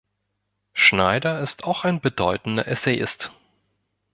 Schneider ist auch ein bedeutender Essayist.